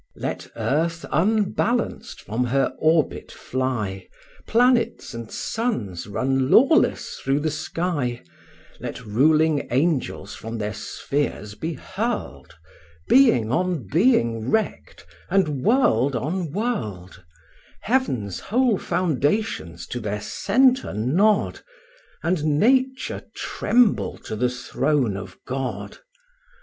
Let earth unbalanced from her orbit fly, Planets and suns run lawless through the sky; Let ruling angels from their spheres be hurled, Being on being wrecked, and world on world; Heaven's whole foundations to their centre nod, And nature tremble to the throne of God.